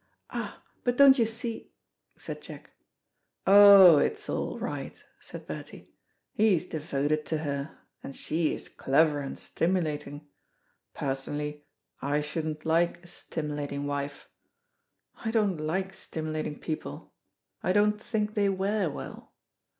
"Ah, but don't you see " said Jack. "Oh, it's all right," said Bertie. "He is devoted to her, and she is clever and stimulating. Personally I shouldn't like a stimulating wife. I don't like stimulating people, I don't think they wear well.